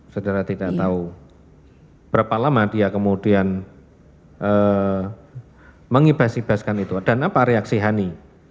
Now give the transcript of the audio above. saudara tidak tahu berapa lama dia kemudian mengibas ibaskan itu dan apa reaksi hani